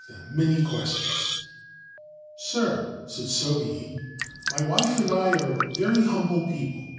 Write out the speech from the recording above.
them many icstions. ' Sir/ said Sobei, ' my wife and I are very humble :ople.